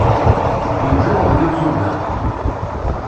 Yugi weɣyul tuga.